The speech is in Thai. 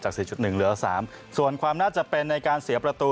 สี่จุดหนึ่งเหลือ๓ส่วนความน่าจะเป็นในการเสียประตู